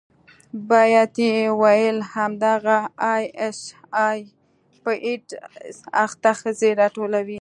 بيا يې وويل همدغه آى اس آى په ايډز اخته ښځې راټولوي.